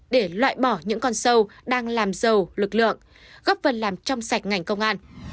để loại bỏ những con sâu đang làm dầu lực lượng góp vần làm trong sạch ngành công an